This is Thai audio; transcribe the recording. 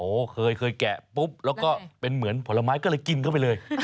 โอ้โหเคยแกะปุ๊บแล้วก็เป็นเหมือนผลไม้ก็เลยกินเข้าไปเลย